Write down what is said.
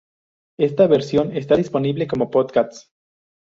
Esta versión está disponible como podcast.